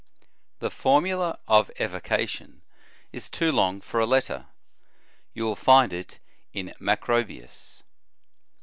The formula of evocation is too long for a letter; you will find it in Macrobius.